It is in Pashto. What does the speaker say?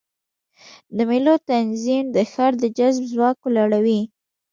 د مېلو تنظیم د ښار د جذب ځواک لوړوي.